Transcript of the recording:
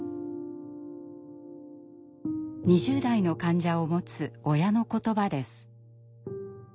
２０代の患者を持つ親の言葉です。